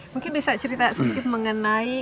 mungkin bisa cerita sedikit mengenai